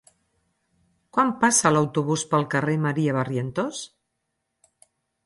Quan passa l'autobús pel carrer Maria Barrientos?